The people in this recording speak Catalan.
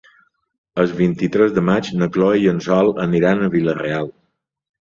El vint-i-tres de maig na Chloé i en Sol aniran a Vila-real.